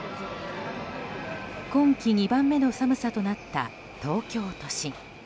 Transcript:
今季２番目の寒さとなった東京都心。